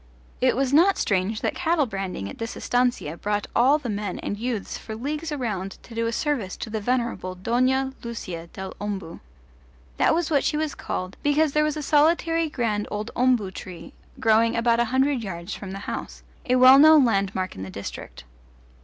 It was not strange that cattle branding at this estancia brought all the men and youths for leagues around to do a service to the venerable Dona Lucia del Ombu. That was what she was called, because there was a solitary grand old ombu tree growing about a hundred yards from the house a well known landmark in the district.